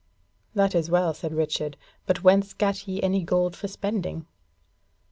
"That is well," said Richard, "but whence gat ye any gold for spending?"